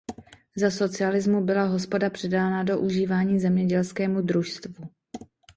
Za socialismu byla hospoda předána do užívání zemědělskému družstvu.